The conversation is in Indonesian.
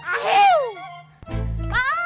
hai hai hai salam